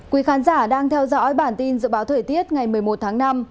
quý khán giả đang theo dõi bản tin dự báo thời tiết ngày một mươi một tháng năm